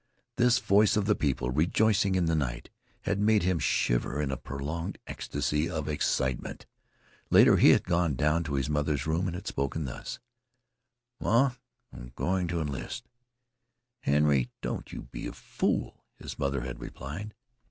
This voice of the people rejoicing in the night had made him shiver in a prolonged ecstasy of excitement. Later, he had gone down to his mother's room and had spoken thus: "Ma, I'm going to enlist." "Henry, don't you be a fool," his mother had replied.